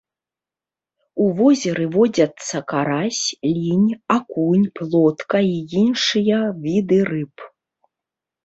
У возеры водзяцца карась, лінь, акунь, плотка і іншыя віды рыб.